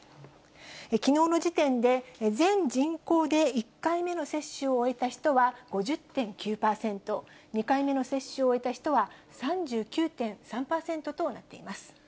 きのうの時点で、全人口で１回目の接種を終えた人は５０．９％、２回目の接種を終えた人は３９．３％となっています。